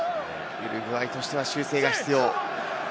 ウルグアイとしては修正が必要。